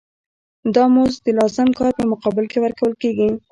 دا مزد د لازم کار په مقابل کې ورکول کېږي